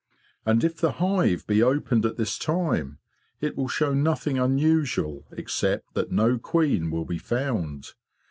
And if the hive be opened at this time, it will show nothing unusual except that no queen will be found.